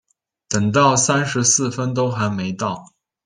等到三十四分都还没到